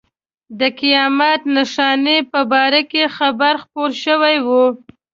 د قیامت نښانې په باره کې خبر خپور شوی و.